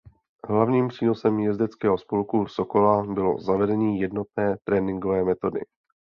Hlavním přínosem jezdeckého spolku Sokola bylo zavedení jednotné tréninkové metodiky.